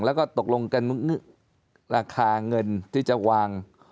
แล้วก็ตกลงกันราคาเงินที่จะวาง